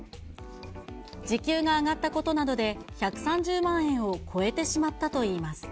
時給が上がったことなどで、１３０万円を超えてしまったといいます。